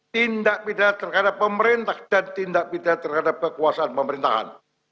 tindak pidana terhadap pemerintah dan tindak pidana terhadap kekuasaan pemerintahan